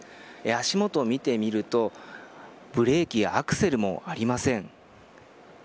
足元を見てみるとブレーキやアクセルもありません。